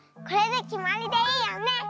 これできまりでいいよね！